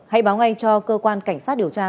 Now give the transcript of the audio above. hãy báo ngay cho cơ quan cảnh sát điều tra